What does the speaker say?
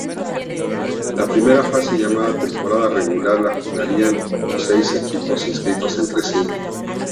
La primera fase llamada temporada regular la jugarían los seis equipos inscritos entre sí.